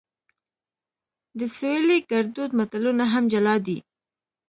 د سویلي ګړدود متلونه هم جلا دي